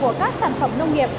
của các sản phẩm nông nghiệp